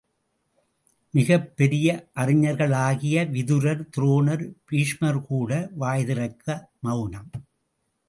மிகப் பெரிய அறிஞர்களாகிய விதுரர், துரோணர், பீஷ்மர்கூட வாய்திறக்க மெளனம்!